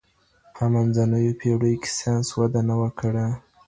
په منځنيو پېړيو کي ساينس وده نه وه کړې.